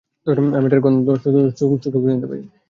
আমি এটার গন্ধ শুঁকে খুঁজে নিব।